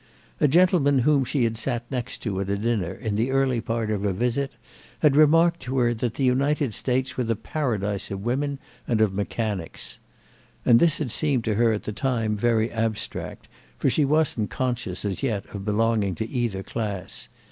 A gentleman whom she had sat next to at dinner in the early part of her visit had remarked to her that the United States were the paradise of women and of mechanics; and this had seemed to her at the time very abstract, for she wasn't conscious as yet of belonging to either class.